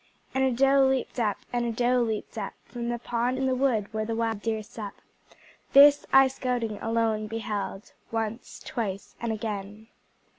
And a doe leaped up, and a doe leaped up From the pond in the wood where the wild deer sup. This I, scouting alone, beheld, Once, twice and again!